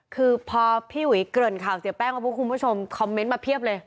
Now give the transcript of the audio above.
คือพอพี่อุ๋ยเกริ่นข่าวเสียแป้งมาปุ๊บคุณผู้ชมคอมเมนต์มาเพียบเลย